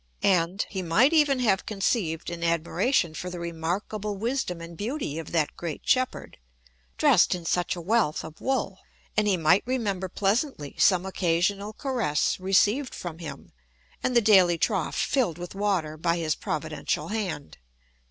And he might even have conceived an admiration for the remarkable wisdom and beauty of that great shepherd, dressed in such a wealth of wool; and he might remember pleasantly some occasional caress received from him and the daily trough filled with water by his providential hand.